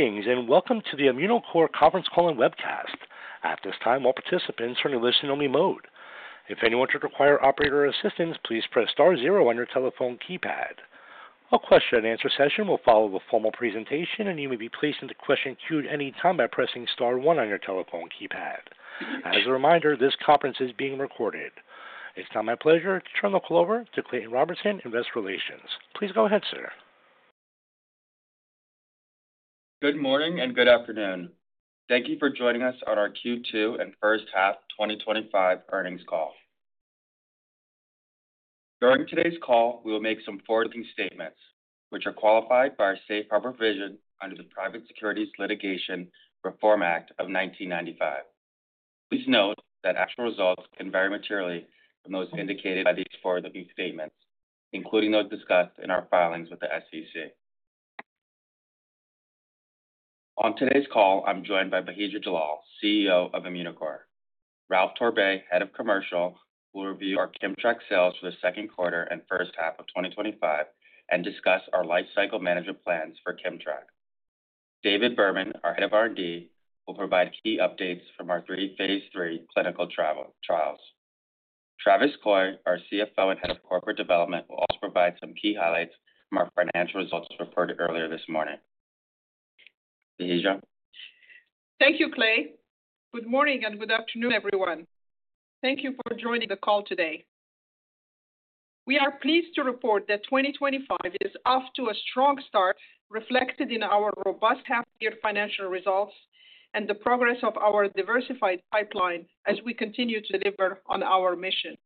you and welcome to the Immunocore Conference Call and Webcast. At this time, all participants are in a listen-only mode. If anyone should require operator assistance, please press star zero on your telephone keypad. A question-and-answer session will follow the formal presentation, and you may be placed into the question queue at any time by pressing star one on your telephone keypad. As a reminder, this conference is being recorded. It's now my pleasure to turn the call over to Clayton Robertson, Head of Investor Relations. Please go ahead, sir. Good morning and good afternoon. Thank you for joining us on our Q2 and first half 2025 earnings call. During today's call, we will make some forward-looking statements, which are qualified by our safe harbor vision under the Private Securities Litigation Reform Act of 1995. Please note that actual results can vary materially from those indicated by these forward-looking statements, including those discussed in our filings with the SEC. On today's call, I'm joined by Bahija Jallal, CEO of Immunocore Holdings plc. Ralph Torbay, Head of Commercial, will review our KIMMTRAK sales for the second quarter and first half of 2025 and discuss our lifecycle management plans for KIMMTRAK. David Berman, our Head of R&D, will provide key updates from our three Phase III clinical trials. Travis Coy, our CFO and Head of Corporate Development, will also provide some key highlights from our financial results report earlier this morning. Thank you, Clayton. Good morning and good afternoon, everyone. Thank you for joining the call today. We are pleased to report that 2025 is off to a strong start, reflected in our robust half-year financial results and the progress of our diversified pipeline as we continue to deliver on our mission.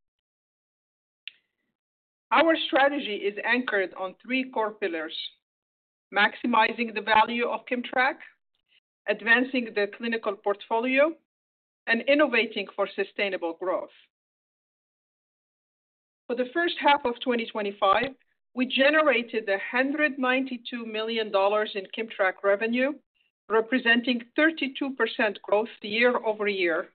Our strategy is anchored on three core pillars: maximizing the value of KIMMTRAK, advancing the clinical portfolio, and innovating for sustainable growth. For the first half of 2025, we generated $192 million in KIMMTRAK revenue, representing 32% growth year-over-year,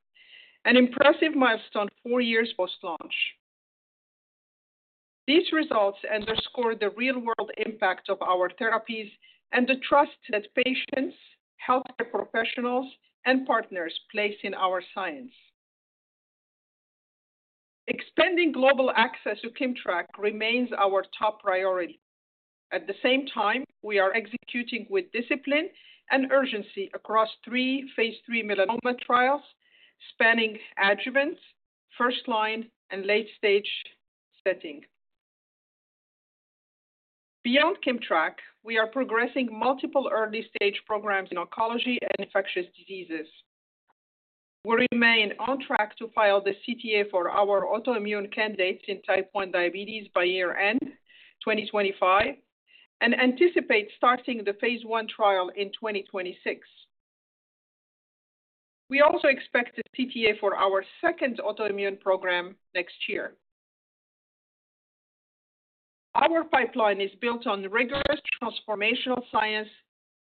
an impressive milestone four years post-launch. These results underscore the real-world impact of our therapies and the trust that patients, healthcare professionals, and partners place in our science. Expanding global access to KIMMTRAK remains our top priority. At the same time, we are executing with discipline and urgency across three Phase III registrational trials spanning adjuvant, first-line, and late-stage setting. Beyond KIMMTRAK, we are progressing multiple early-stage programs in oncology and infectious diseases. We remain on track to file the CTA for our autoimmune candidates in type 1 diabetes by year-end 2025 and anticipate starting the phase I trial in 2026. We also expect a CTA for our second autoimmune program next year. Our pipeline is built on rigorous transformational science,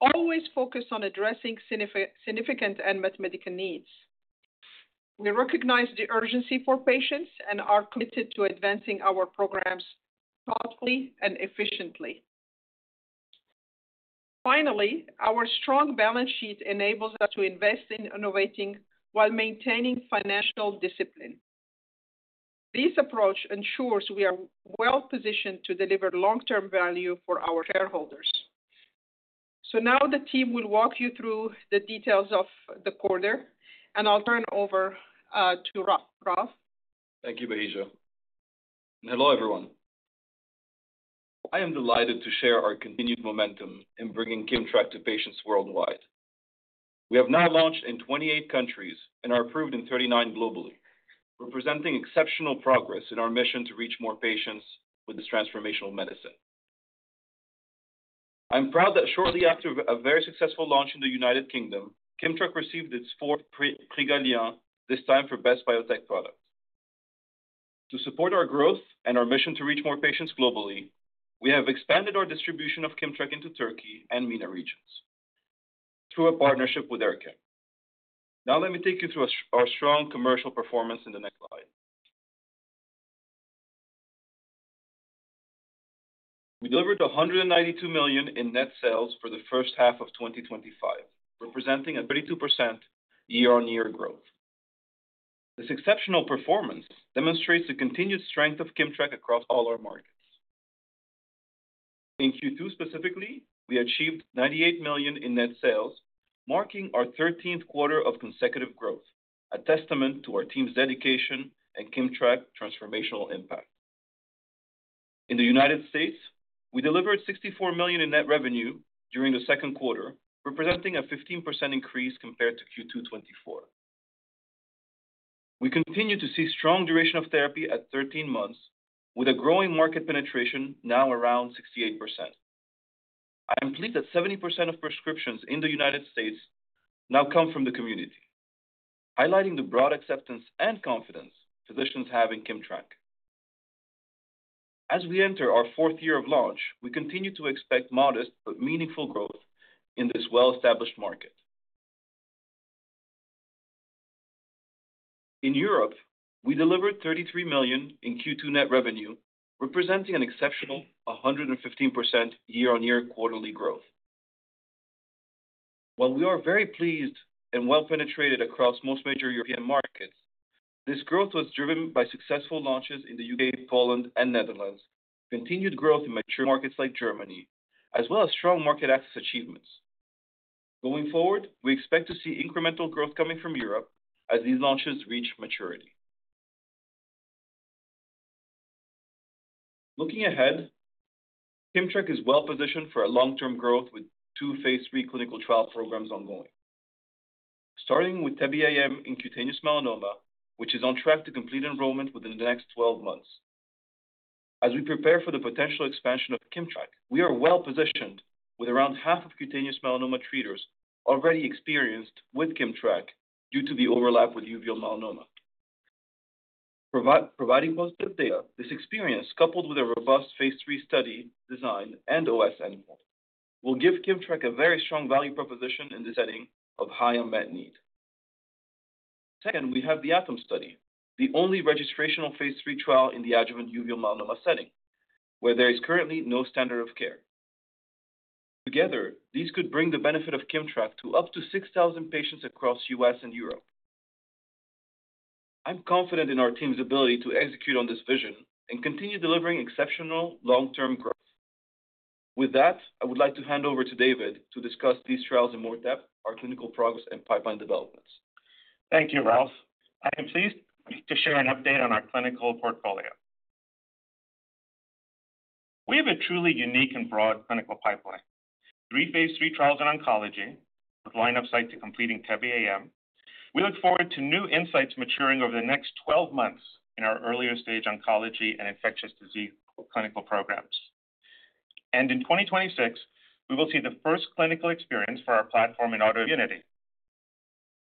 always focused on addressing significant unmet medical needs. We recognize the urgency for patients and are committed to advancing our programs cost-effectively and efficiently. Finally, our strong balance sheet enables us to invest in innovating while maintaining financial discipline. This approach ensures we are well positioned to deliver long-term value for our shareholders. The team will walk you through the details of the quarter, and I'll turn it over to Ralph. Thank you, Bahija. Hello, everyone. I am delighted to share our continued momentum in bringing KIMMTRAK to patients worldwide. We have now launched in 28 countries and are approved in 39 globally, representing exceptional progress in our mission to reach more patients with this transformational medicine. I'm proud that shortly after a very successful launch in the U.K., KIMMTRAK received its fourth Prix Galien, this time for Best Biotech Product. To support our growth and our mission to reach more patients globally, we have expanded our distribution of KIMMTRAK into Turkey and the MENA region through a partnership with [Erkam]. Now let me take you through our strong commercial performance in the next slide. We delivered $192 million in net sales for the first half of 2025, representing a 32% year-on-year growth. This exceptional performance demonstrates the continued strength of KIMMTRAK across all our markets. In Q2 specifically, we achieved $98 million in net sales, marking our 13th quarter of consecutive growth, a testament to our team's dedication and KIMMTRAK's transformational impact. In the U.S., we delivered $64 million in net revenue during the second quarter, representing a 15% increase compared to Q2 2024. We continue to see strong duration of therapy at 13 months, with a growing market penetration now around 68%. I am pleased that 70% of prescriptions in the U.S. now come from the community, highlighting the broad acceptance and confidence physicians have in KIMMTRAK. As we enter our fourth year of launch, we continue to expect modest but meaningful growth in this well-established market. In Europe, we delivered $33 million in Q2 net revenue, representing an exceptional 115% year-on-year quarterly growth. While we are very pleased and well-penetrated across most major European markets, this growth was driven by successful launches in the U.K., Poland, and Netherlands, continued growth in mature markets like Germany, as well as strong market access achievements. Going forward, we expect to see incremental growth coming from Europe as these launches reach maturity. Looking ahead, KIMMTRAK is well-positioned for long-term growth with two Phase III clinical trial programs ongoing, starting with TEBE-AM in cutaneous melanoma, which is on track to complete enrollment within the next 12 months. As we prepare for the potential expansion of KIMMTRAK, we are well-positioned with around half of cutaneous melanoma treaters already experienced with KIMMTRAK due to the overlap with uveal melanoma. Providing positive data, this experience, coupled with a robust Phase III study design and OS endpoint, will give KIMMTRAK a very strong value proposition in the setting of high unmet need. We have the ATOM study, the only registrational Phase III trial in the adjuvant uveal melanoma setting, where there is currently no standard of care. Together, these could bring the benefit of KIMMTRAK to up to 6,000 patients across the U.S. and Europe. I'm confident in our team's ability to execute on this vision and continue delivering exceptional long-term growth. With that, I would like to hand over to David to discuss these trials in more depth, our clinical progress, and pipeline developments. Thank you, Ralph. I am pleased to share an update on our clinical portfolio. We have a truly unique and broad clinical pipeline. Three Phase III trials in oncology, with line-up sites completing TEBE-AM. We look forward to new insights maturing over the next 12 months in our earlier stage oncology and infectious disease clinical programs. In 2026, we will see the first clinical experience for our platform in autoimmunity.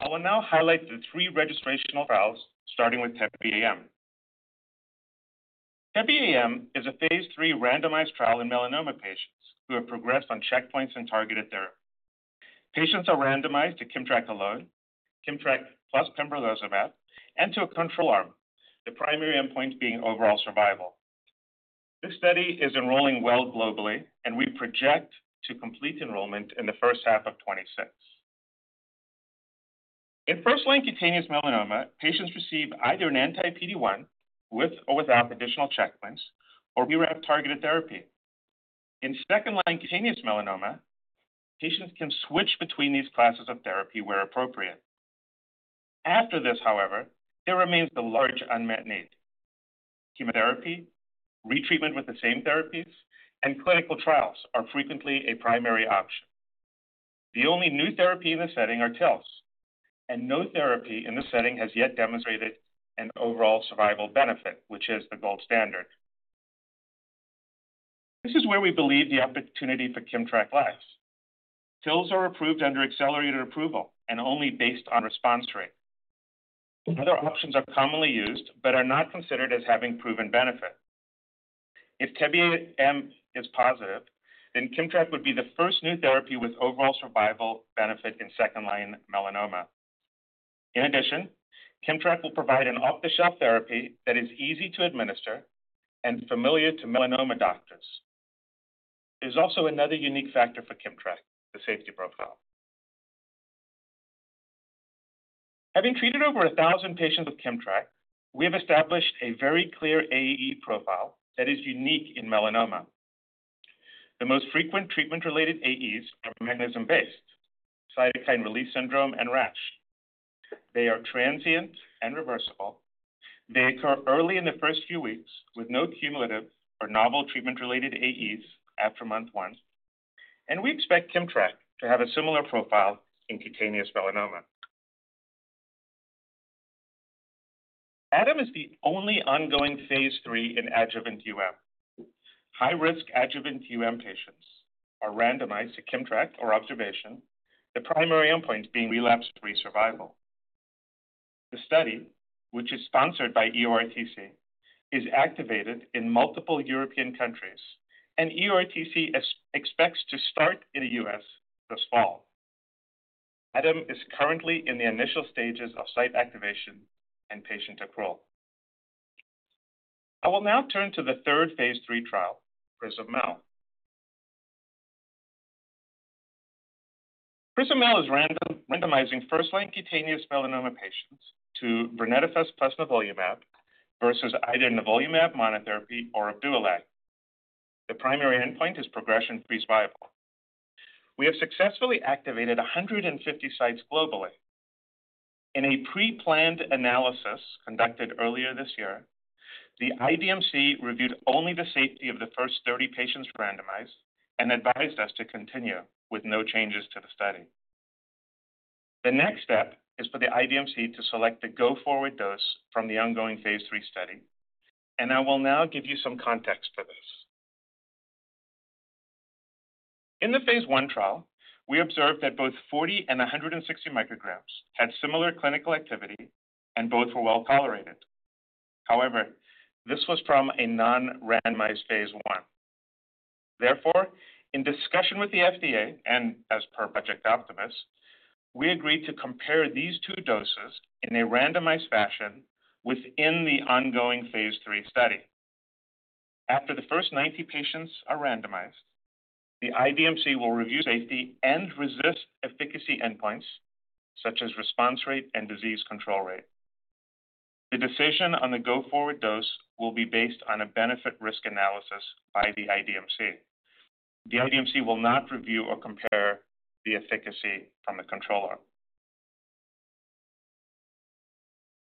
I will now highlight the three registrational trials, starting with TEBE-AM. TEBE-AM is a Phase III randomized trial in melanoma patients who have progressed on checkpoints and targeted therapy. Patients are randomized to KIMMTRAK alone, KIMMTRAK plus pembrolizumab, and to a control arm, the primary endpoint being overall survival. This study is enrolling well globally, and we project to complete enrollment in the first half of 2026. In first-line cutaneous melanoma, patients receive either an anti-PD-1 with or without additional checkpoints, or BRAF-targeted therapy. In second-line cutaneous melanoma, patients can switch between these classes of therapy where appropriate. After this, however, there remains the large unmet need. Chemotherapy, retreatment with the same therapies, and clinical trials are frequently a primary option. The only new therapy in this setting are TILs, and no therapy in this setting has yet demonstrated an overall survival benefit, which is the gold standard. This is where we believe the opportunity for KIMMTRAK lies. TILs are approved under accelerated approval and only based on response rate. Other options are commonly used but are not considered as having proven benefit. If TEBE-AM is positive, then KIMMTRAK would be the first new therapy with overall survival benefit in second-line melanoma. In addition, KIMMTRAK will provide an off-the-shelf therapy that is easy to administer and familiar to melanoma doctors. There's also another unique factor for KIMMTRAK, the safety profile. Having treated over 1,000 patients with KIMMTRAK, we have established a very clear AE profile that is unique in melanoma. The most frequent treatment-related AEs are mechanism-based, cytokine release syndrome, and rash. They are transient and reversible. They occur early in the first few weeks with no cumulative or novel treatment-related AEs after month one, and we expect KIMMTRAK to have a similar profile in cutaneous melanoma. ATOM is the only ongoing Phase III in adjuvant. High-risk adjuvant patients are randomized to KIMMTRAK or observation, the primary endpoint being relapse-free survival. The study, which is sponsored by EORTC, is activated in multiple European countries, and EORTC expects to start in the U.S. this fall. ATOM is currently in the initial stages of site activation and patient accrual. I will now turn to the third Phase III trial, PRISM-MEL-301. PRISM-MEL-301 is randomizing first-line cutaneous melanoma patients to Tebentafusp plus nivolumab versus either nivolumab monotherapy or duralag. The primary endpoint is progression-free survival. We have successfully activated 150 sites globally. In a pre-planned analysis conducted earlier this year, the IDMC reviewed only the safety of the first 30 patients randomized and advised us to continue with no changes to the study. The next step is for the IDMC to select the go-forward dose from the ongoing Phase III study, and I will now give you some context for this. In the phase I trial, we observed that both 40 and 160 micrograms had similar clinical activity, and both were well tolerated. However, this was from a non-randomized phase I. Therefore, in discussion with the FDA and as per Project Optimus, we agreed to compare these two doses in a randomized fashion within the ongoing Phase III study. After the first 90 patients are randomized, the IDMC will review safety and RECIST efficacy endpoints, such as response rate and disease control rate. The decision on the go-forward dose will be based on a benefit-risk analysis by the IDMC. The IDMC will not review or compare the efficacy on the control arm.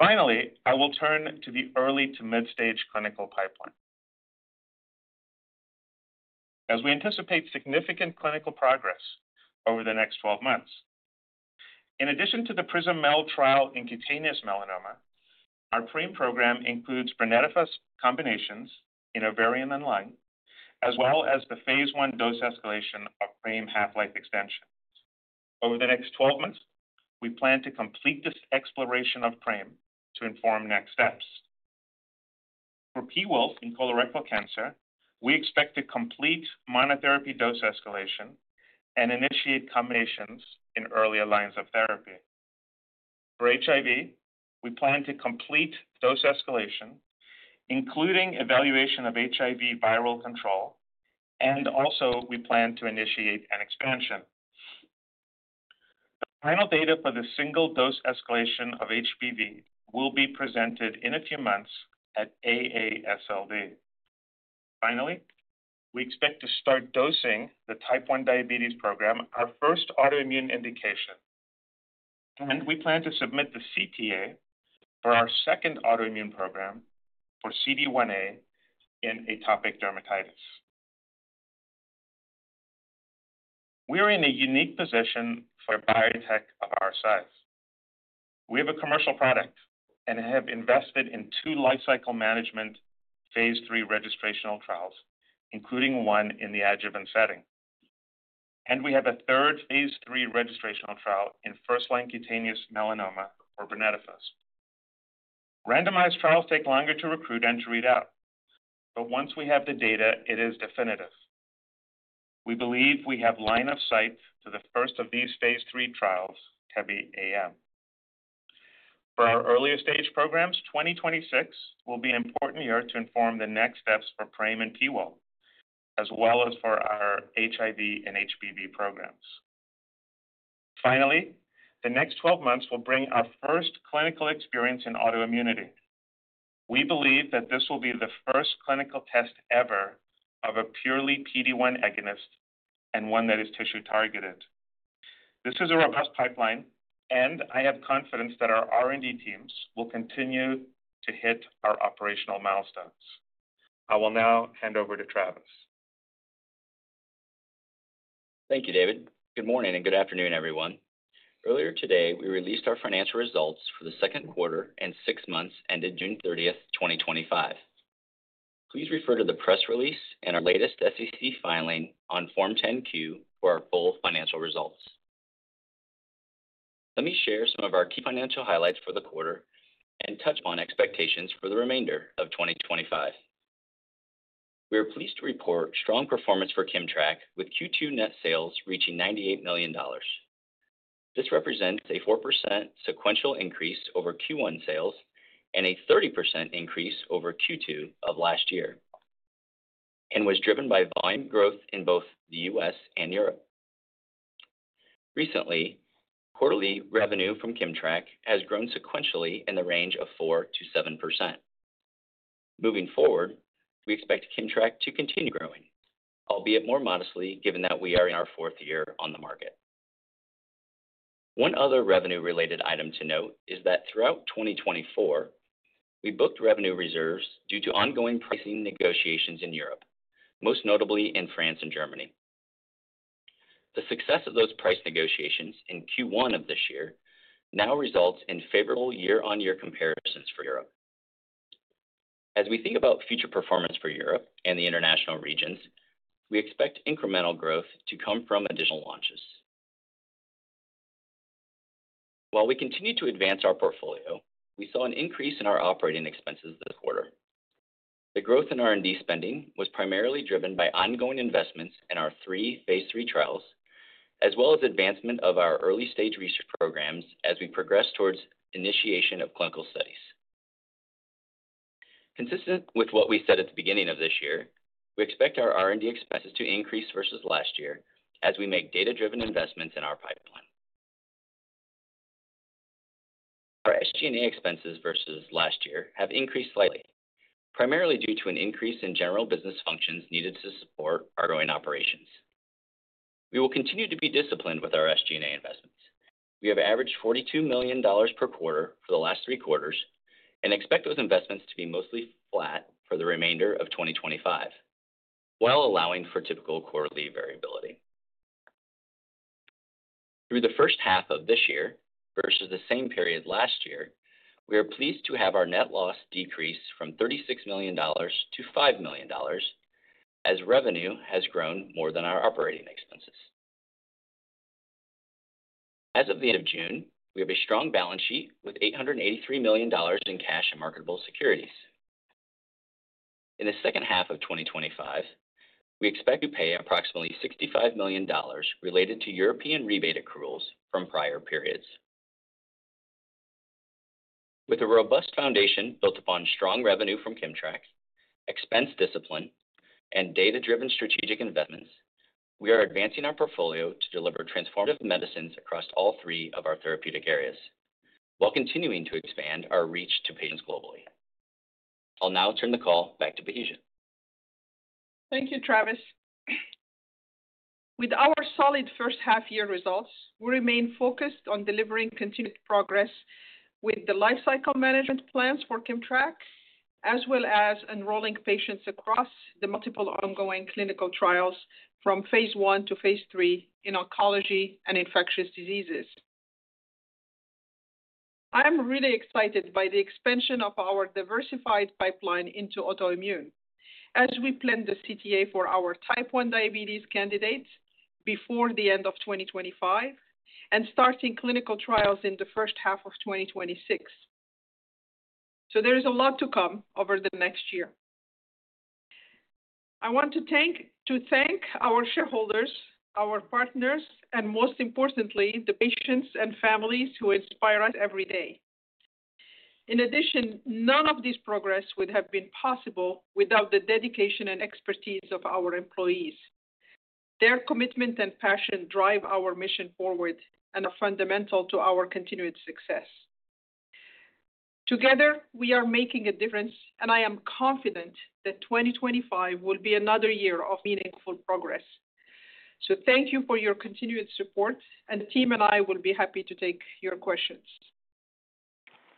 Finally, I will turn to the early to mid-stage clinical pipeline. As we anticipate significant clinical progress over the next 12 months, in addition to the PRISM-MEL-301 trial in cutaneous melanoma, our PRAME program includes Tebentafusp combinations in ovarian and lung, as well as the phase I dose escalation of PRAME half-life extension. Over the next 12 months, we plan to complete this exploration of PRAME to inform next steps. For PWOLF in colorectal cancer, we expect a complete monotherapy dose escalation and initiate combinations in earlier lines of therapy. For HIV, we plan to complete dose escalation, including evaluation of HIV viral control, and also we plan to initiate an expansion. Final data for the single dose escalation of HPV will be presented in a few months at AASLD. Finally, we expect to start dosing the type 1 diabetes program, our first autoimmune indication, and we plan to submit the CTA for our second autoimmune program for CD1A in atopic dermatitis. We are in a unique position for a biotech of our size. We have a commercial product and have invested in two lifecycle management Phase III registrational trials, including one in the adjuvant setting. We have a third Phase III registrational trial in first-line cutaneous melanoma for Tebentafusp. Randomized trials take longer to recruit and to read out, but once we have the data, it is definitive. We believe we have line-up sites for the first of these Phase III trials, TEBE-AM. For our earlier stage programs, 2026 will be an important year to inform the next steps for PRAME and PWOLF, as well as for our HIV and HPV programs. Finally, the next 12 months will bring our first clinical experience in autoimmunity. We believe that this will be the first clinical test ever of a purely PD-1 agonist and one that is tissue-targeted. This is a robust pipeline, and I have confidence that our R&D teams will continue to hit our operational milestones. I will now hand over to Travis. Thank you, David. Good morning and good afternoon, everyone. Earlier today, we released our financial results for the second quarter and six months ended June 30, 2025. Please refer to the press release and our latest SEC filing on Form 10-Q for our full financial results. Let me share some of our key financial highlights for the quarter and touch on expectations for the remainder of 2025. We are pleased to report strong performance for KIMMTRAK, with Q2 net sales reaching $98 million. This represents a 4% sequential increase over Q1 sales and a 30% increase over Q2 of last year and was driven by volume growth in both the U.S. and Europe. Recently, quarterly revenue from KIMMTRAK has grown sequentially in the range of 4%-7%. Moving forward, we expect KIMMTRAK to continue growing, albeit more modestly given that we are in our fourth year on the market. One other revenue-related item to note is that throughout 2024, we booked revenue reserves due to ongoing pricing negotiations in Europe, most notably in France and Germany. The success of those price negotiations in Q1 of this year now results in favorable year-on-year comparisons for Europe. As we think about future performance for Europe and the international regions, we expect incremental growth to come from additional launches. While we continue to advance our portfolio, we saw an increase in our operating expenses this quarter. The growth in R&D spending was primarily driven by ongoing investments in our three Phase III trials, as well as advancement of our early-stage research programs as we progress towards initiation of clinical studies. Consistent with what we said at the beginning of this year, we expect our R&D expenses to increase versus last year as we make data-driven investments in our pipeline. Our SG&A expenses versus last year have increased slightly, primarily due to an increase in general business functions needed to support our growing operations. We will continue to be disciplined with our SG&A investments. We have averaged $42 million per quarter for the last three quarters and expect those investments to be mostly flat for the remainder of 2025, while allowing for typical quarterly variability. Through the first half of this year versus the same period last year, we are pleased to have our net loss decrease from $36 million to $5 million as revenue has grown more than our operating expenses. As of the end of June, we have a strong balance sheet with $883 million in cash and marketable securities. In the second half of 2025, we expect to pay approximately $65 million related to European rebate accruals from prior periods. With a robust foundation built upon strong revenue from KIMMTRAK, expense discipline, and data-driven strategic investments, we are advancing our portfolio to deliver transformative medicines across all three of our therapeutic areas, while continuing to expand our reach to patients globally. I'll now turn the call back to Bahija. Thank you, Travis. With our solid first half-year results, we remain focused on delivering continued progress with the lifecycle management plans for KIMMTRAK, as well as enrolling patients across the multiple ongoing clinical trials from phase I to phase III in oncology and infectious diseases. I'm really excited by the expansion of our diversified pipeline into autoimmunity, as we plan the CTA for our type 1 diabetes candidates before the end of 2025 and starting clinical trials in the first half of 2026. There is a lot to come over the next year. I want to thank our shareholders, our partners, and most importantly, the patients and families who inspire us every day. In addition, none of this progress would have been possible without the dedication and expertise of our employees. Their commitment and passion drive our mission forward and are fundamental to our continued success. Together, we are making a difference, and I am confident that 2025 will be another year of meaningful progress. Thank you for your continued support, and the team and I will be happy to take your questions.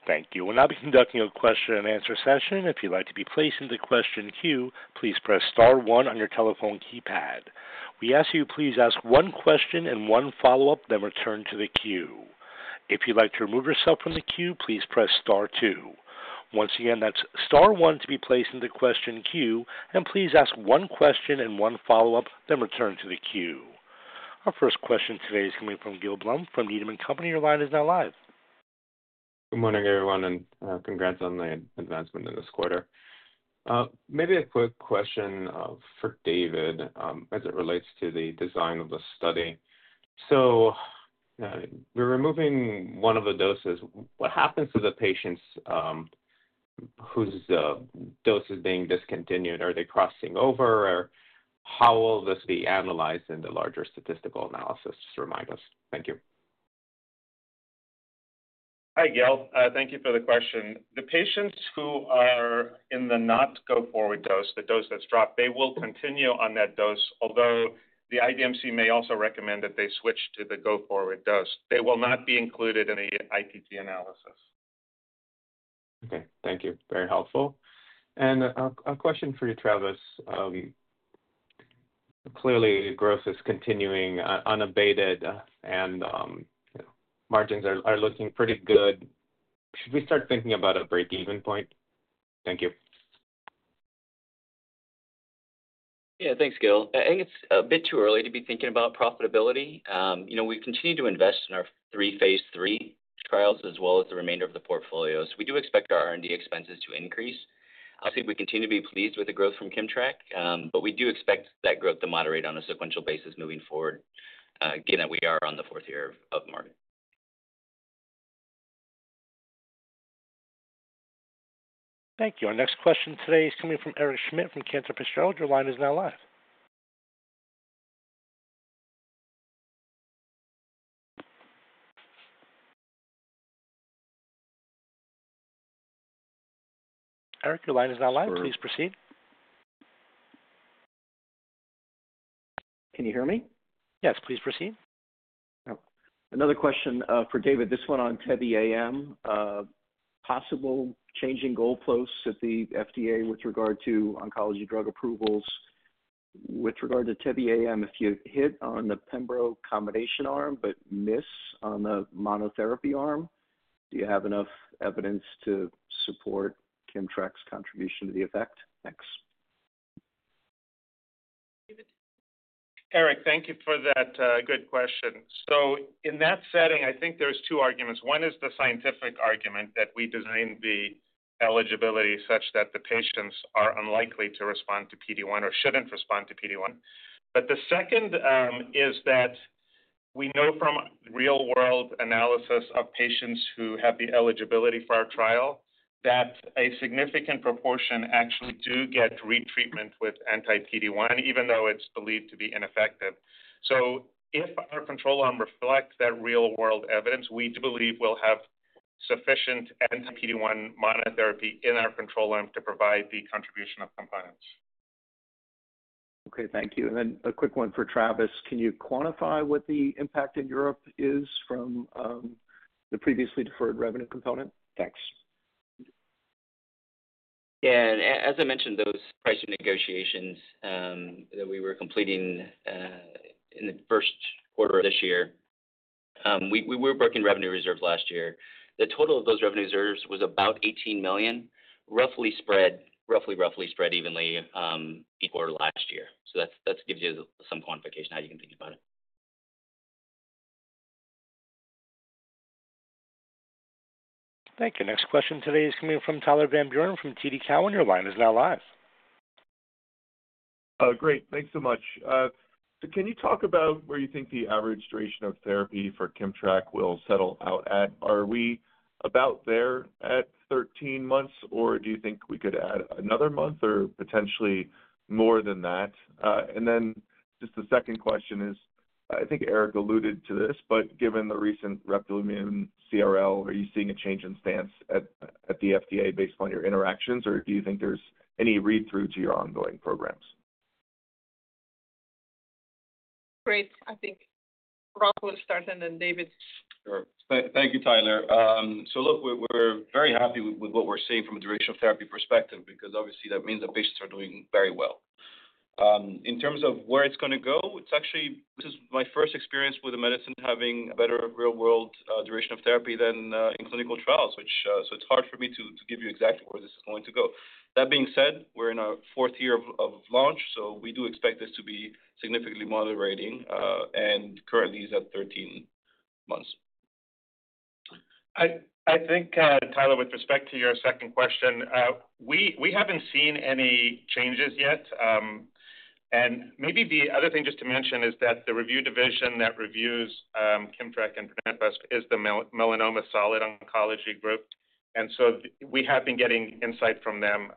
Thank you. We'll now be conducting a question-and-answer session. If you'd like to be placed into the question queue, please press star one on your telephone keypad. We ask you to please ask one question and one follow-up, then return to the queue. If you'd like to remove yourself from the queue, please press star two. Once again, that's star one to be placed into the question queue, and please ask one question and one follow-up, then return to the queue. Our first question today is coming from Gil Blum from Needman. Your line is now live. Good morning, everyone, and congrats on the advancement in this quarter. Maybe a quick question for David as it relates to the design of the study. We're removing one of the doses. What happens to the patients whose dose is being discontinued? Are they crossing over? How will this be analyzed in the larger statistical analysis? Just remind us. Thank you. Hi, Gil. Thank you for the question. The patients who are in the not go-forward dose, the dose that's dropped, will continue on that dose, although the IDMC may also recommend that they switch to the go-forward dose. They will not be included in the ITP analysis. Okay. Thank you. Very helpful. A question for you, Travis. Clearly, growth is continuing unabated, and margins are looking pretty good. Should we start thinking about a break-even point? Thank you. Yeah, thanks, Gil. I think it's a bit too early to be thinking about profitability. You know, we continue to invest in our three Phase III trials as well as the remainder of the portfolio. We do expect our R&D expenses to increase. I think we continue to be pleased with the growth from KIMMTRAK, but we do expect that growth to moderate on a sequential basis moving forward, given that we are on the fourth year of the market. Thank you. Our next question today is coming from Eric Schmidt from Cancer Pathology. Your line is now live. Eric, your line is now live. Please proceed. Can you hear me? Yes, please proceed. Another question for David. This one on TEBE-AM. Possible changing goalposts at the FDA with regard to oncology drug approvals. With regard to TEBE-AM, if you hit on the pembrolizumab combination arm but miss on the monotherapy arm, do you have enough evidence to support KIMMTRAK's contribution to the effect? Thanks. Eric, thank you for that good question. In that setting, I think there's two arguments. One is the scientific argument that we designed the eligibility such that the patients are unlikely to respond to PD-1 or shouldn't respond to PD-1. The second is that we know from real-world analysis of patients who have the eligibility for our trial that a significant proportion actually do get retreatment with anti-PD-1, even though it's believed to be ineffective. If our control arm reflects that real-world evidence, we do believe we'll have sufficient anti-PD-1 monotherapy in our control arm to provide the contribution of components. Thank you. A quick one for Travis. Can you quantify what the impact in Europe is from the previously deferred revenue component? Thanks. Yeah. As I mentioned, those pricing negotiations that we were completing in the first quarter of this year, we were booking revenue reserves last year. The total of those revenue reserves was about $18 million, roughly spread evenly for last year. That gives you some quantification on how you can think about it. Thank you. Next question today is coming from Tyler Van Buren from TD Cowen. Your line is now live. Great. Thanks so much. Can you talk about where you think the average duration of therapy for KIMMTRAK will settle out at? Are we about there at 13 months, or do you think we could add another month or potentially more than that? The second question is, I think Eric alluded to this, but given the recent reptilumumab CRL, are you seeing a change in stance at the FDA based upon your interactions, or do you think there's any read-through to your ongoing programs? Great. I think Ralph would start, then David. Sure. Thank you, Tyler. We're very happy with what we're seeing from a duration of therapy perspective because obviously that means that patients are doing very well. In terms of where it's going to go, this is my first experience with a medicine having a better real-world duration of therapy than in clinical trials, which makes it hard for me to give you exactly where this is going to go. That being said, we're in our fourth year of launch, so we do expect this to be significantly moderating and currently is at 13 months. I think, Tyler, with respect to your second question, we haven't seen any changes yet. Maybe the other thing just to mention is that the review division that reviews KIMMTRAK and Tebentafusp is the Melanoma Solid Oncology Group. We have been getting insight from them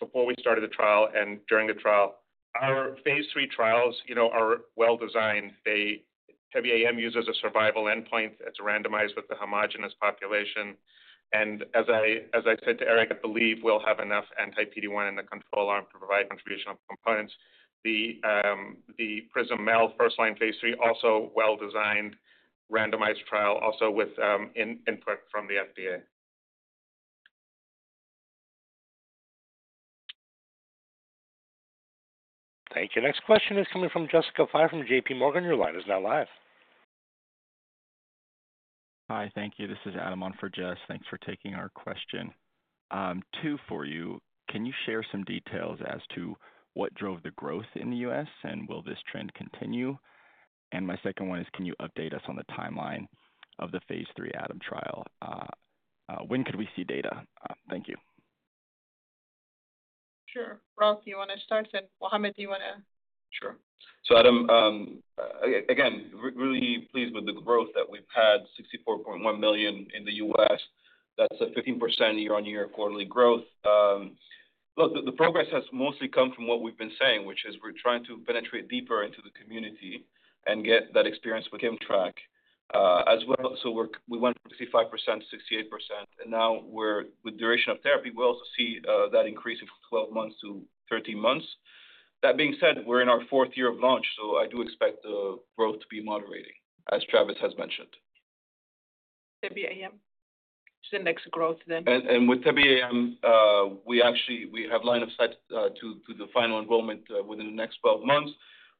before we started the trial and during the trial. Our Phase III trials are well designed. TEBE-AM uses a survival endpoint that's randomized with a homogeneous population. As I said to Eric, I believe we'll have enough anti-PD-1 in the control arm to provide contributional components. The PRISM-MEL-301 first-line Phase III, also well-designed, randomized trial, also with input from the FDA. Thank you. Next question is coming from Jessica Fye from JP Morgan. Your line is now live. Hi. Thank you. This is Adam on for Jess. Thanks for taking our question. Two for you. Can you share some details as to what drove the growth in the U.S., and will this trend continue? My second one is, can you update us on the timeline of the Phase III ATOM trial? When could we see data? Thank you. Sure. Ralph, do you want to start? Mohammed, do you want to? Sure. Adam, again, really pleased with the growth that we've had, $64.1 million in the U.S. That's a 15% year-on-year quarterly growth. The progress has mostly come from what we've been saying, which is we're trying to penetrate deeper into the community and get that experience with KIMMTRAK as well. We went from 65% to 68%, and now with duration of therapy, we also see that increase from 12 months to 13 months. That being said, we're in our fourth year of launch, so I do expect the growth to be moderating, as Travis has mentioned. TEBE-AM? Which is the next growth then. With TEBE-AM, we have line of sight to the final enrollment within the next 12 months,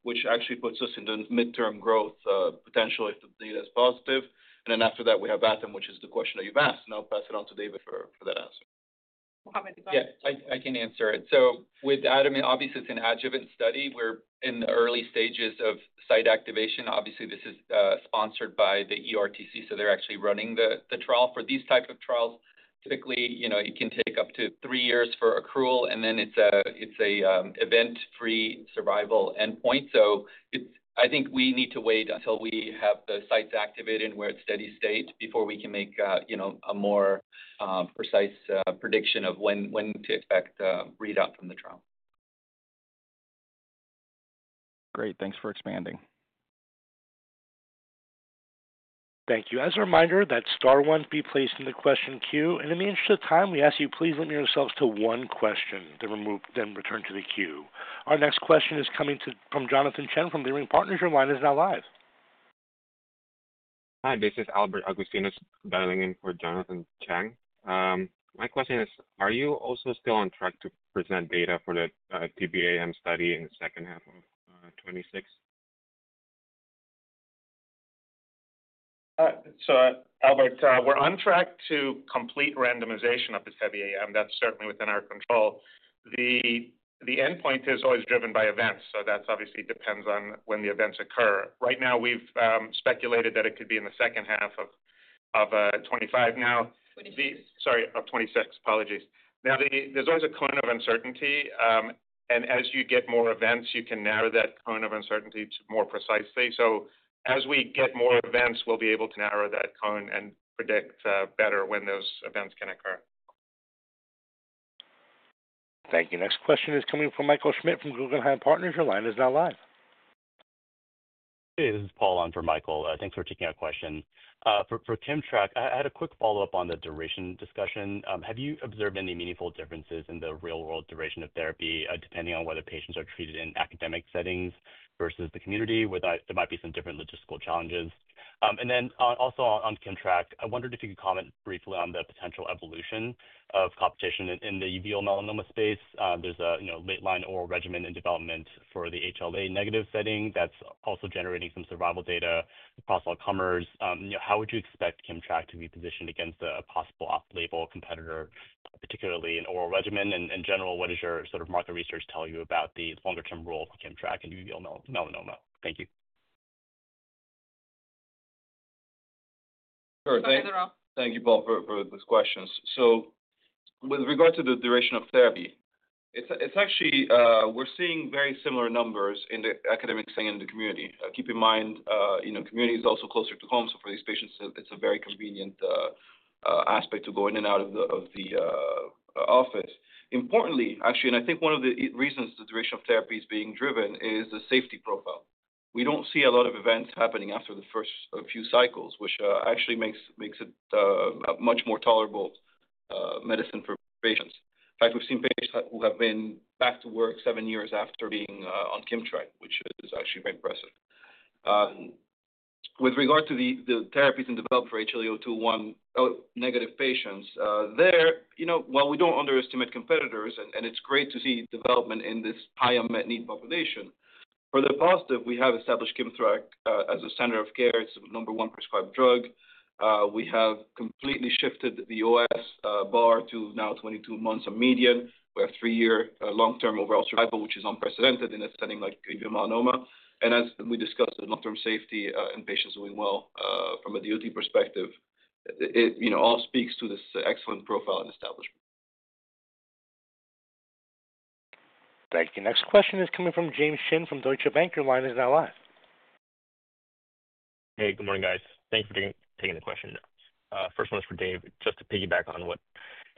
which actually puts us in the midterm growth potential if the data is positive. After that, we have ATOM, which is the question that you've asked. I'll pass it on to David for that answer. Mohammed, you go ahead. Yeah, I can answer it. With ATOM, obviously, it's an adjuvant study. We're in the early stages of site activation. This is sponsored by the EORTC, so they're actually running the trial. For these types of trials, typically, it can take up to three years for accrual, and then it's an event-free survival endpoint. I think we need to wait until we have the sites activated and we're at steady state before we can make a more precise prediction of when to expect readout from the trial. Great, thanks for expanding. Thank you. As a reminder, that's star one to be placed in the question queue. In the interest of time, we ask you to please limit yourselves to one question, then return to the queue. Our next question is coming from Jonathan Chen from Leerink Partners. Your line is now live. Hi. This is Albert Agustinus dialing in for Jonathan Chen. My question is, are you also still on track to present data for the TEBE-AM study in the second half of 2026? Albert, we're on track to complete randomization of the TEBE-AM. That's certainly within our control. The endpoint is always driven by events, so that obviously depends on when the events occur. Right now, we've speculated that it could be in the second half of 2025. 2026. Sorry, of 2026. Apologies. There is always a cone of uncertainty. As you get more events, you can narrow that cone of uncertainty more precisely. As we get more events, we'll be able to narrow that cone and predict better when those events can occur. Thank you. Next question is coming from Michael Schmidt from Guggenheim Partners. Your line is now live. Hey, this is Paul on for Michael. Thanks for taking our question. For KIMMTRAK, I had a quick follow-up on the duration discussion. Have you observed any meaningful differences in the real-world duration of therapy depending on whether patients are treated in academic settings versus the community, where there might be some different logistical challenges? Also, on KIMMTRAK, I wondered if you could comment briefly on the potential evolution of competition in the uveal melanoma space. There's a late-line oral regimen in development for the HLA-negative setting that's also generating some survival data across all comers. How would you expect KIMMTRAK to be positioned against a possible off-label competitor, particularly in oral regimen? In general, what does your sort of market research tell you about the longer-term role for KIMMTRAK in uveal melanoma? Thank you. Sure. Ralph. Thank you, Paul, for those questions. With regard to the duration of therapy, we're seeing very similar numbers in the academic setting and the community. Keep in mind, the community is also closer to home, so for these patients, it's a very convenient aspect to go in and out of the office. Importantly, actually, and I think one of the reasons the duration of therapy is being driven is the safety profile. We don't see a lot of events happening after the first few cycles, which actually makes it a much more tolerable medicine for patients. In fact, we've seen patients who have been back to work seven years after being on KIMMTRAK, which is actually very impressive. With regard to the therapies developed for HLA-negative patients, while we don't underestimate competitors, and it's great to see development in this high unmet need population, for the positive, we have established KIMMTRAK as a center of care. It's the number one prescribed drug. We have completely shifted the OS bar to now 22 months of median. We have three-year long-term overall survival, which is unprecedented in a setting like uveal melanoma. As we discussed, the long-term safety and patients doing well from a real-world therapy duration perspective all speaks to this excellent profile and establishment. Thank you. Next question is coming from James Shin from Deutsche Bank. Your line is now live. Hey, good morning, guys. Thanks for taking the question. First one is for David. Just to piggyback on what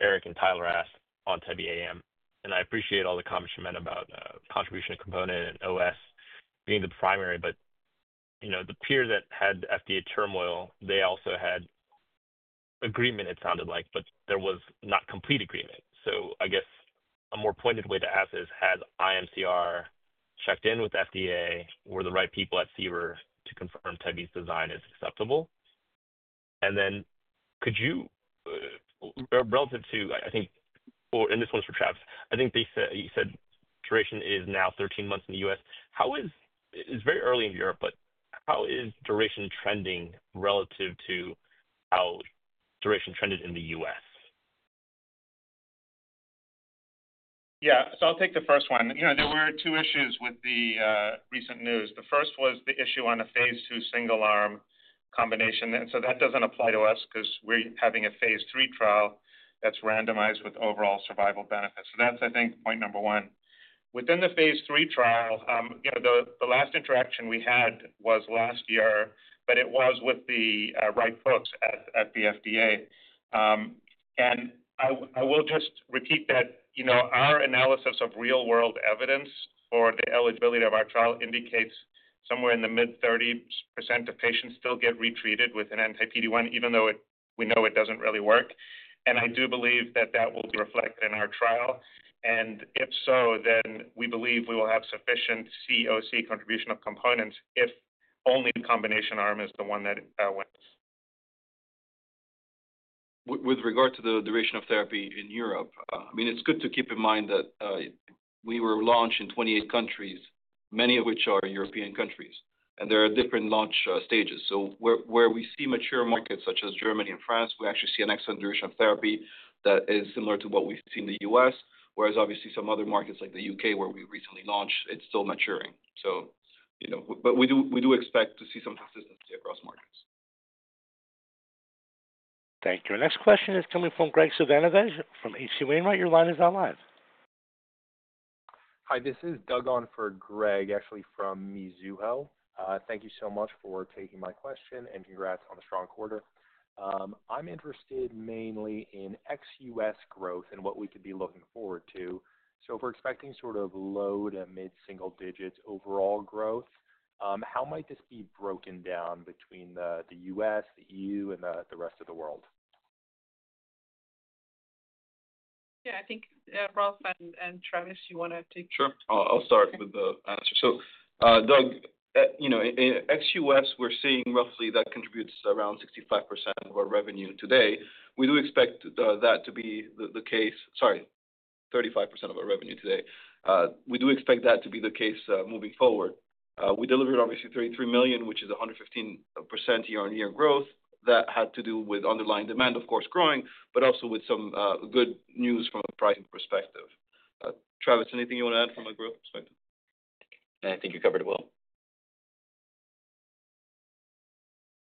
Eric and Tyler asked on TEBE-AM, and I appreciate all the comments you meant about contribution component and OS being the primary, but you know, the peers that had FDA turmoil, they also had agreement, it sounded like, but there was not complete agreement. I guess a more pointed way to ask is, has Immunocore Holdings plc checked in with FDA? Were the right people at CBER to confirm TEBE-AM's design is acceptable? Then could you, relative to, I think, and this one's for Travis. I think they said, you said duration is now 13 months in the U.S. How is, it's very early in Europe, but how is duration trending relative to how duration trended in the U.S.? Yeah. I'll take the first one. There were two issues with the recent news. The first was the issue on phase II single-arm combination. That doesn't apply to us because we're having a Phase III trial that's randomized with overall survival benefits. That's, I think, point number one. Within the Phase III trial, the last interaction we had was last year, but it was with the right folks at the FDA. I will just repeat that our analysis of real-world evidence for the eligibility of our trial indicates somewhere in the mid-30% of patients still get retreated with an anti-PD-1, even though we know it doesn't really work. I do believe that will be reflected in our trial. If so, then we believe we will have sufficient COC contribution of components if only the combination arm is the one that wins. With regard to the duration of therapy in Europe, it's good to keep in mind that we were launched in 28 countries, many of which are European countries, and there are different launch stages. Where we see mature markets such as Germany and France, we actually see an excellent duration of therapy that is similar to what we've seen in the U.S., whereas obviously some other markets like the U.K., where we recently launched, it's still maturing. We do expect to see some consistency across markets. Thank you. Our next question is coming from Greg Savanovic from H.C. Wainwright. Your line is now live. Hi. This is Doug on for Greg, actually from Mizuho. Thank you so much for taking my question and congrats on a strong quarter. I'm interested mainly in ex-U.S. growth and what we could be looking forward to. If we're expecting sort of low to mid-single-digit overall growth, how might this be broken down between the U.S., the EU, and the rest of the world? Yeah, I think Ralph and Travis, you want to take? Sure. I'll start with the answer. Doug, you know, ex-U.S., we're seeing roughly that contributes around 65% of our revenue today. Sorry, 35% of our revenue today. We do expect that to be the case moving forward. We delivered obviously $33 million, which is 115% year-on-year growth. That had to do with underlying demand, of course, growing, but also with some good news from a pricing perspective. Travis, anything you want to add from a growth perspective? I think you covered it well.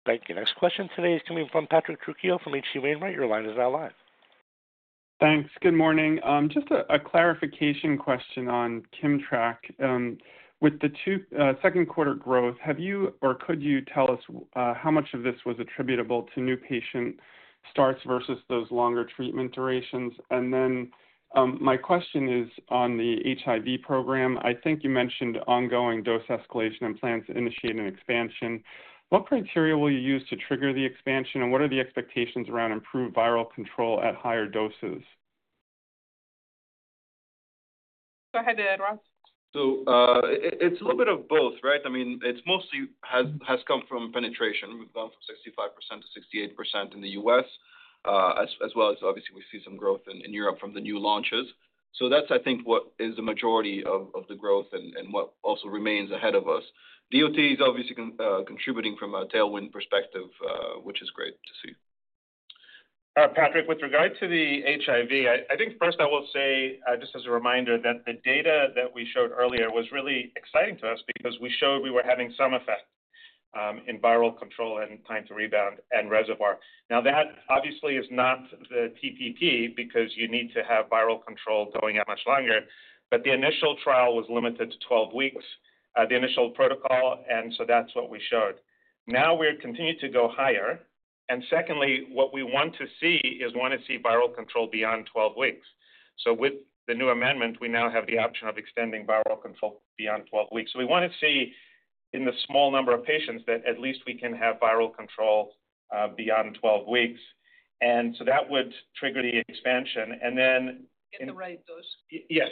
Thank you. Next question today is coming from Patrick Trujillo from HC Wainwright. Your line is now live. Thanks. Good morning. Just a clarification question on KIMMTRAK. With the Q2 growth, have you or could you tell us how much of this was attributable to new patient starts versus those longer treatment durations? My question is on the HIV program. I think you mentioned ongoing dose escalation and plans to initiate an expansion. What criteria will you use to trigger the expansion, and what are the expectations around improved viral control at higher doses? Go ahead, Ralph. It is a little bit of both, right? I mean, it mostly has come from penetration. We've gone from 65% to 68% in the U.S., as well as obviously we see some growth in Europe from the new launches. I think that is the majority of the growth and what also remains ahead of us. DOT is obviously contributing from a tailwind perspective, which is great to see. Patrick, with regard to the HIV, I think first I will say just as a reminder that the data that we showed earlier was really exciting to us because we showed we were having some effect in viral control and time to rebound and reservoir. That obviously is not the TPP because you need to have viral control going out much longer, but the initial trial was limited to 12 weeks, the initial protocol, and that's what we showed. Now we're continuing to go higher. What we want to see is we want to see viral control beyond 12 weeks. With the new amendment, we now have the option of extending viral control beyond 12 weeks. We want to see in the small number of patients that at least we can have viral control beyond 12 weeks. That would trigger the expansion. Get the right dose. Yes,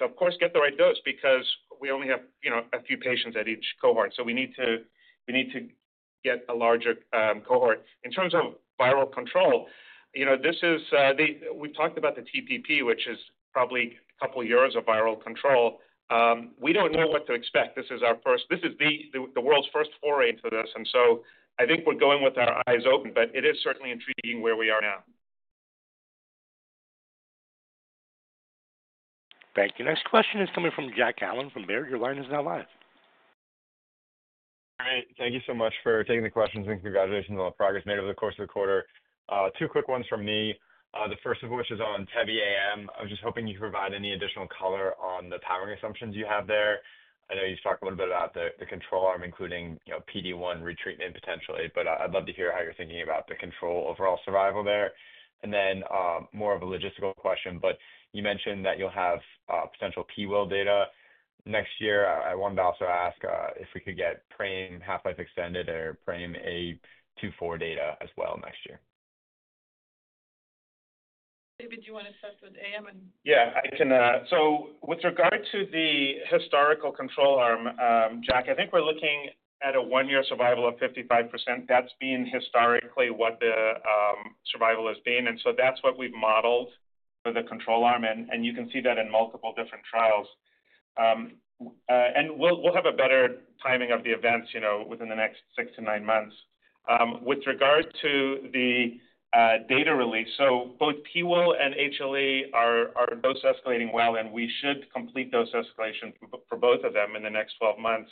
of course, get the right dose because we only have a few patients at each cohort. We need to get a larger cohort. In terms of viral control, we've talked about the TPP, which is probably a couple of years of viral control. We don't know what to expect. This is our first, this is the world's first foray into this. I think we're going with our eyes open, but it is certainly intriguing where we are now. Thank you. Next question is coming from Jack Allen from Baird. Your line is now live. Hi. Thank you so much for taking the questions. Congratulations on the progress made over the course of the quarter. Two quick ones from me. The first of which is on TEBE-AM. I was just hoping you could provide any additional color on the powering assumptions you have there. I know you've talked a little bit about the control arm, including, you know, PD-1 retreatment potentially, but I'd love to hear how you're thinking about the control overall survival there. More of a logistical question, you mentioned that you'll have potential PWOLF data next year. I wanted to also ask if we could get PRAME half-life extended or PRAME-A2/4 data as well next year. David, do you want to start with AM? Yeah, I can. With regard to the historical control arm, Jack, I think we're looking at a one-year survival of 55%. That's been historically what the survival has been, and that's what we've modeled for the control arm. You can see that in multiple different trials. We'll have a better timing of the events within the next six to nine months. With regard to the data release, both PWOLF and HLA are dose escalating well, and we should complete dose escalation for both of them in the next 12 months.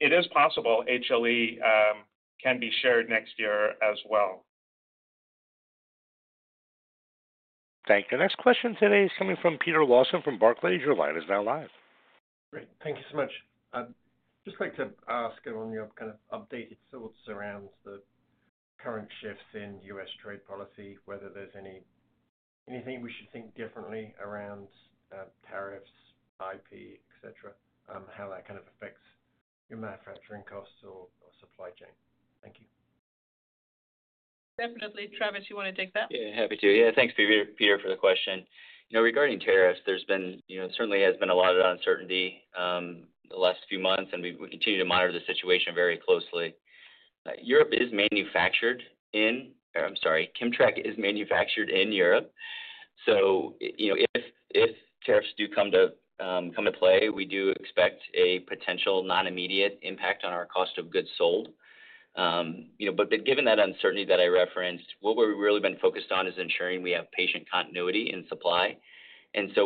It is possible HLA can be shared next year as well. Thank you. Next question today is coming from Peter Lawson from Barclays. Your line is now live. Great. Thank you so much. I'd just like to ask along your kind of updated thoughts around the current shifts in U.S. trade policy, whether there's anything we should think differently around tariffs, IP, etc., how that kind of affects your manufacturing costs or supply chain. Thank you. Definitely. Travis, you want to take that? Yeah, happy to. Yeah, thanks, Peter, for the question. You know, regarding tariffs, there's been, you know, certainly has been a lot of uncertainty the last few months, and we continue to monitor the situation very closely. KIMMTRAK is manufactured in Europe. If tariffs do come to play, we do expect a potential non-immediate impact on our cost of goods sold. Given that uncertainty that I referenced, what we've really been focused on is ensuring we have patient continuity in supply.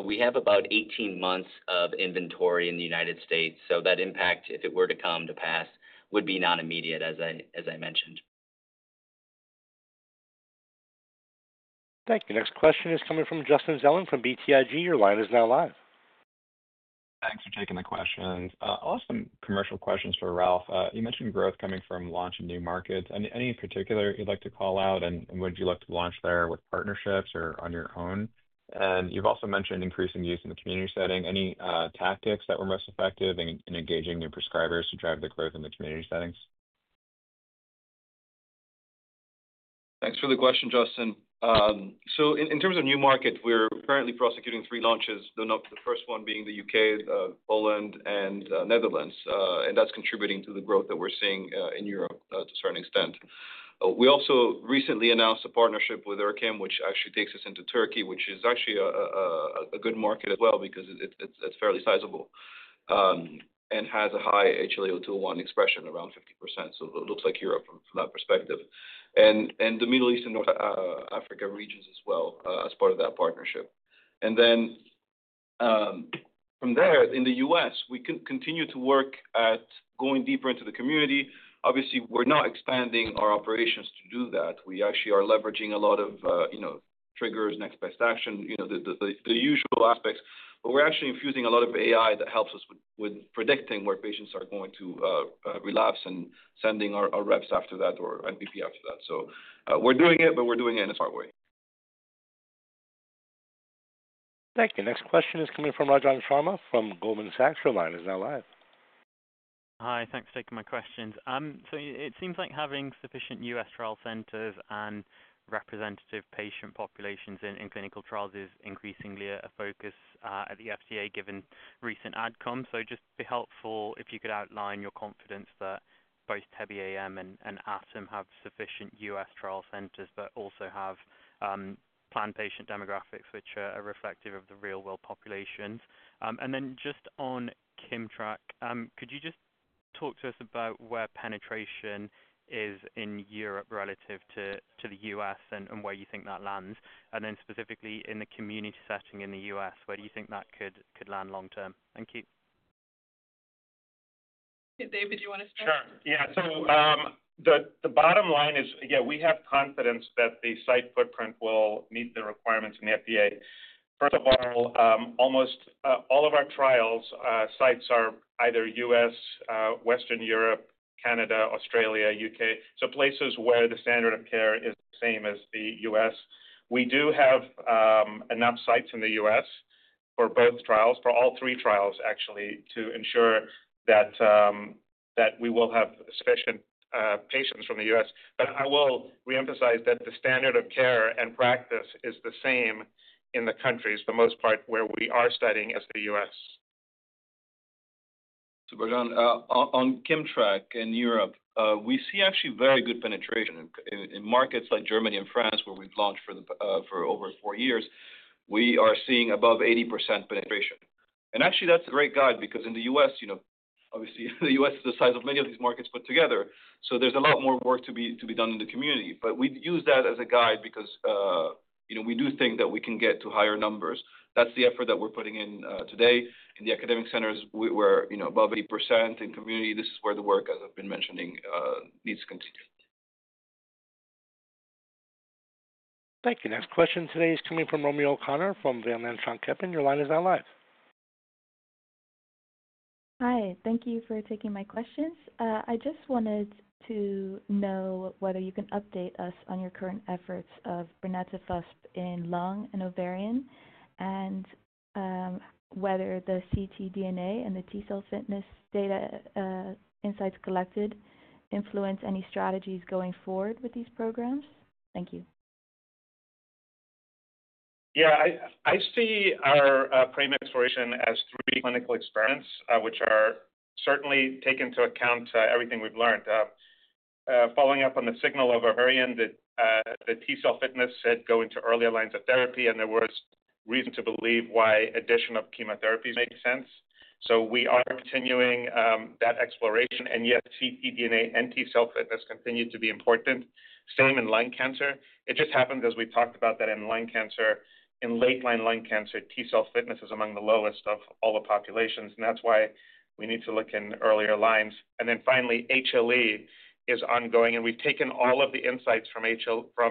We have about 18 months of inventory in the U.S. That impact, if it were to come to pass, would be non-immediate, as I mentioned. Thank you. Next question is coming from Justin Zelin from BTIG. Your line is now live. Thanks for taking the question. I'll have some commercial questions for Ralph. You mentioned growth coming from launch in new markets. Any particular you'd like to call out, and would you look to launch there with partnerships or on your own? You've also mentioned increasing use in the community setting. Any tactics that were most effective in engaging new prescribers to drive the growth in the community settings? Thanks for the question, Justin. In terms of new markets, we're currently prosecuting three launches, the first one being the U.K., Poland, and Netherlands. That's contributing to the growth that we're seeing in Europe to a certain extent. We also recently announced a partnership with Erkam, which actually takes us into Turkey, which is actually a good market as well because it's fairly sizable and has a high HLA2/1 expression, around 50%. It looks like Europe from that perspective. The Middle East and North Africa regions as well as part of that partnership. From there, in the U.S., we continue to work at going deeper into the community. Obviously, we're not expanding our operations to do that. We actually are leveraging a lot of, you know, triggers, next best action, the usual aspects. We're actually infusing a lot of AI that helps us with predicting where patients are going to relapse and sending our reps after that or NPP after that. We're doing it, but we're doing it in a hard way. Thank you. Next question is coming from Rajan Sharma from Goldman Sachs. Your line is now live. Hi. Thanks for taking my questions. It seems like having sufficient U.S. trial centers and representative patient populations in clinical trials is increasingly a focus at the FDA, given recent ATOM. It would be helpful if you could outline your confidence that both TEBE-AM and ATOM have sufficient U.S. trial centers, but also have planned patient demographics, which are reflective of the real-world populations. Just on KIMMTRAK, could you talk to us about where penetration is in Europe relative to the U.S. and where you think that lands? Specifically in the community setting in the U.S., where do you think that could land long-term? Thank you. David, do you want to start? Sure. Yeah. The bottom line is, yeah, we have confidence that the site footprint will meet the requirements from the FDA. First of all, almost all of our trials' sites are either U.S., Western Europe, Canada, Australia, or U.K., so places where the standard of care is the same as the U.S. We do have enough sites in the U.S. for both trials, for all three trials actually, to ensure that we will have sufficient patients from the U.S. I will reemphasize that the standard of care and practice is the same in the countries, for the most part, where we are studying as the U.S. On KIMMTRAK in Europe, we see actually very good penetration in markets like Germany and France, where we've launched for over four years. We are seeing above 80% penetration. That's a great guide because in the U.S., you know, obviously, the U.S. is the size of many of these markets put together. There's a lot more work to be done in the community. We'd use that as a guide because, you know, we do think that we can get to higher numbers. That's the effort that we're putting in today. In the academic centers, we're above 80%. In community, this is where the work, as I've been mentioning, needs to continue. Thank you. Next question today is coming from Romy O'Connor from Van Lanschot Kempen. Your line is now live. Hi. Thank you for taking my questions. I just wanted to know whether you can update us on your current efforts of Tebentafusp in lung and ovarian, and whether the ctDNA and the T-cell fitness data insights collected influence any strategies going forward with these programs. Thank you. Yeah, I see our PRAME exploration as three clinical experiments, which are certainly taking into account everything we've learned. Following up on the signal of ovarian, the T-cell fitness said go into earlier lines of therapy, and there was reason to believe why addition of chemotherapies makes sense. We are continuing that exploration, and yet ctDNA and T-cell fitness continue to be important. Same in lung cancer. It just happens, as we talked about, that in lung cancer, in late-line lung cancer, T-cell fitness is among the lowest of all the populations, and that's why we need to look in earlier lines. Finally, HLA is ongoing, and we've taken all of the insights from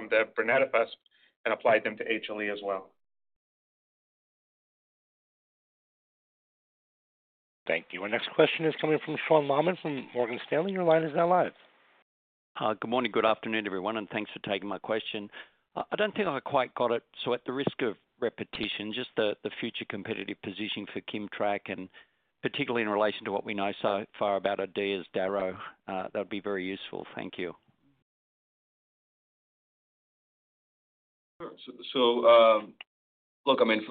the Tebentafusp and applied them to HLA as well. Thank you. Our next question is coming from Sean Mohammed from Morgan Stanley. Your line is now live. Good morning. Good afternoon, everyone, and thanks for taking my question. I don't think I quite got it. At the risk of repetition, just the future competitive positioning for KIMMTRAK, and particularly in relation to what we know so far about Adair's Darrow, that would be very useful. Thank you. Sure.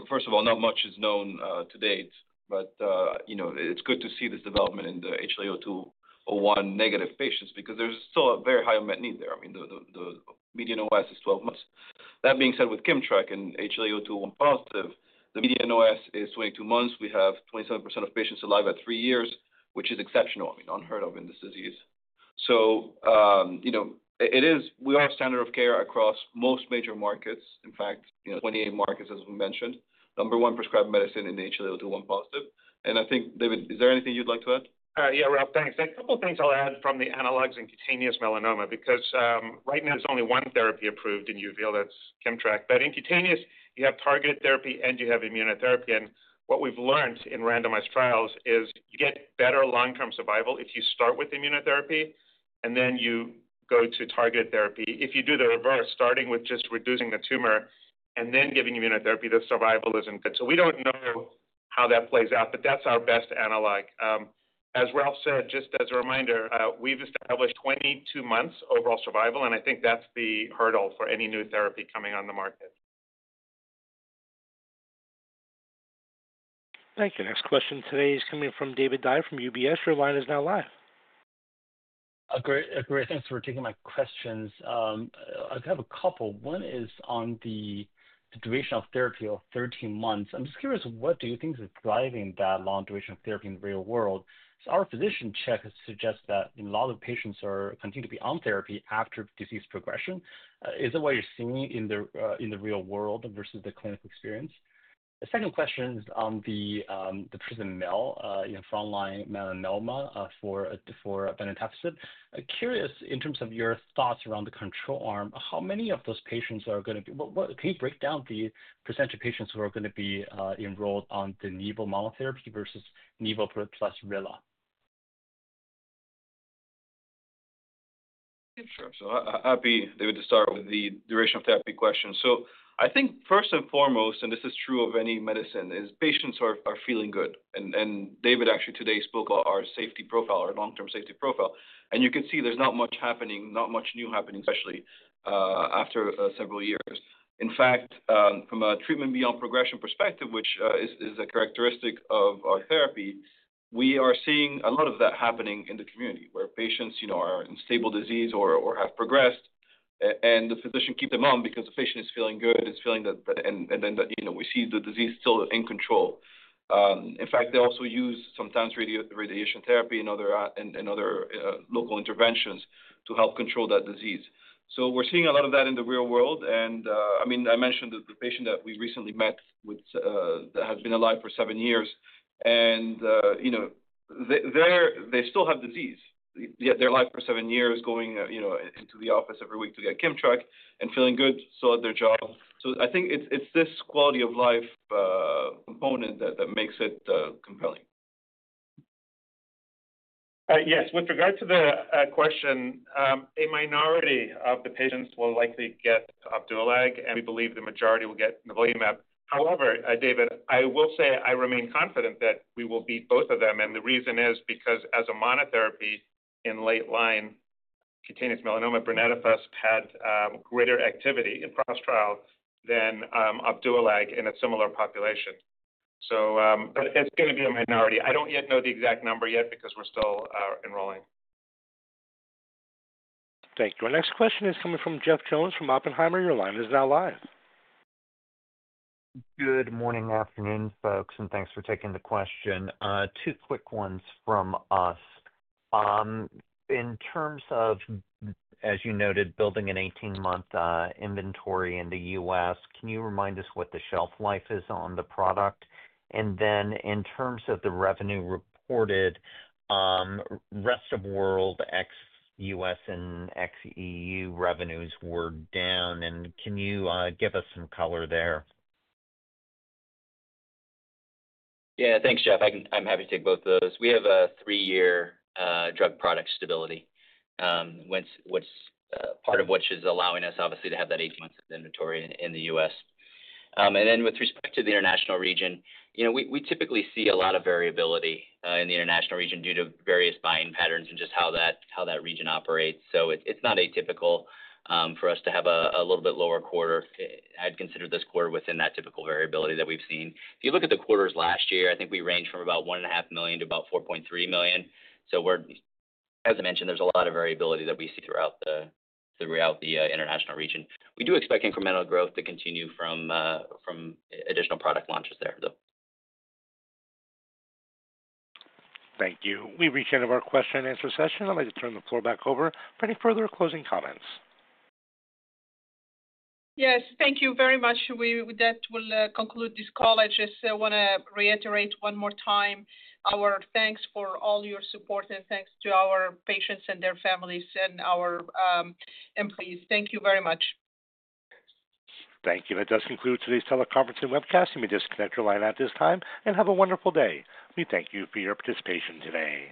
First of all, not much is known to date, but it's good to see this development in the HLA-negative patients because there's still a very high unmet need there. The median OS is 12 months. That being said, with KIMMTRAK and HLA-positive, the median OS is 22 months. We have 27% of patients alive at three years, which is exceptional, unheard of in this disease. We have standard of care across most major markets. In fact, 28 markets, as we mentioned, number one prescribed medicine in the HLA-positive. I think, David, is there anything you'd like to add? Yeah, Ralph, thanks. A couple of things I'll add from the analogs in cutaneous melanoma, because right now there's only one therapy approved in uveal. That's KIMMTRAK. In cutaneous, you have targeted therapy and you have immunotherapy. What we've learned in randomized trials is you get better long-term survival if you start with immunotherapy and then you go to targeted therapy. If you do the reverse, starting with just reducing the tumor and then giving immunotherapy, the survival isn't good. We don't know how that plays out, but that's our best analog. As Ralph said, just as a reminder, we've established 22 months overall survival, and I think that's the hurdle for any new therapy coming on the market. Thank you. Next question today is coming from David Dyer from UBS. Your line is now live. Great. Thanks for taking my questions. I have a couple. One is on the duration of therapy of 13 months. I'm just curious, what do you think is driving that long duration of therapy in the real world? Our physician check has suggested that a lot of patients continue to be on therapy after disease progression. Is that what you're seeing in the real world versus the clinical experience? The second question is on the PRISM-MEL-301, front-line melanoma for Tebentafusp. Curious, in terms of your thoughts around the control arm, how many of those patients are going to be, can you break down the percentage of patients who are going to be enrolled on the nivolumab monotherapy versus nivolumab plus RELA? Sure. Happy, David, to start with the duration of therapy question. I think first and foremost, and this is true of any medicine, is patients are feeling good. David actually today spoke about our safety profile, our long-term safety profile. You could see there's not much happening, not much new happening, especially after several years. In fact, from a treatment beyond progression perspective, which is a characteristic of our therapy, we are seeing a lot of that happening in the community where patients are in stable disease or have progressed, and the physician keeps them on because the patient is feeling good, is feeling that, and then we see the disease still in control. In fact, they also use sometimes radiation therapy and other local interventions to help control that disease. We're seeing a lot of that in the real world. I mentioned the patient that we recently met that has been alive for seven years, and they still have disease. They're alive for seven years, going into the office every week to get KIMMTRAK and feeling good, still at their job. I think it's this quality of life component that makes it compelling. Yes. With regard to the question, a minority of the patients will likely get Abduolac, and we believe the majority will get nivolumab. However, David, I will say I remain confident that we will beat both of them. The reason is because as a monotherapy in late-line cutaneous melanoma, Tebentafusp had greater activity in cross-trial than Abduolac in a similar population. It's going to be a minority. I don't yet know the exact number yet because we're still enrolling. Thank you. Our next question is coming from Jeff Jones from Oppenheimer. Your line is now live. Good morning, afternoon, folks, and thanks for taking the question. Two quick ones from us. In terms of, as you noted, building an 18-month inventory in the U.S., can you remind us what the shelf life is on the product? In terms of the revenue reported, rest of world, ex-U.S. and ex-EU revenues were down. Can you give us some color there? Yeah, thanks, Jeff. I'm happy to take both of those. We have a three-year drug product stability, part of which is allowing us obviously to have that 18-month inventory in the U.S. With respect to the international region, we typically see a lot of variability in the international region due to various buying patterns and just how that region operates. It's not atypical for us to have a little bit lower quarter. I'd consider this quarter within that typical variability that we've seen. If you look at the quarters last year, I think we ranged from about $1.5 million-$4.3 million. As I mentioned, there's a lot of variability that we see throughout the international region. We do expect incremental growth to continue from additional product launches there, though. Thank you. We've reached the end of our question-and-answer session. I'd like to turn the floor back over for any further closing comments. Yes. Thank you very much. That will conclude this call. I just want to reiterate one more time our thanks for all your support and thanks to our patients and their families and our employees. Thank you very much. Thank you. That does conclude today's teleconference and webcast. You may disconnect your line at this time and have a wonderful day. We thank you for your participation today.